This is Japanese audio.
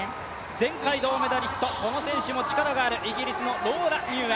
前回銅メダリスト、この選手も力がある、イギリスのローラ・ミューア。